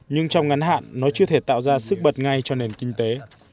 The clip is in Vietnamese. nhưng trong ngắn hạn nó chưa thể tạo ra sức bật ngay cho nền kinh tế